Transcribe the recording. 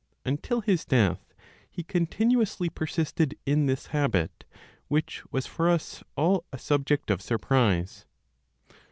Until his death he continuously persisted in this habit, which was for us all a subject of surprise.